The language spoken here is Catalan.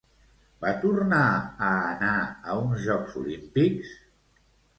Va tornar a anar a uns Jocs Olímpics?